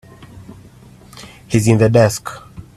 He's in the desk.